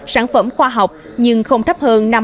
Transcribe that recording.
sản phẩm khoa học nhưng không thấp hơn